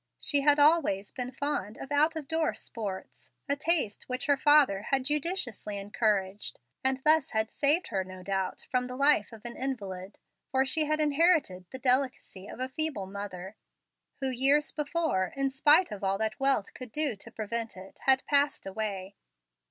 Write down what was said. She had always been fond of out of door sports, a taste which her father had judiciously encouraged; and thus had saved her, no doubt, from the life of an invalid, for she had inherited the delicacy of a feeble mother, who years before, in spite of all that wealth could do to prevent it, had passed away.